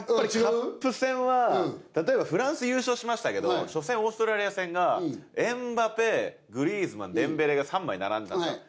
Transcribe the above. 例えばフランス優勝しましたけど初戦オーストラリア戦がエムバペグリーズマンデンベレが３枚並んでたんですよ。